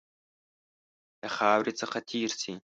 له خاوري څخه تېر شي.